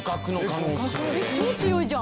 超強いじゃん。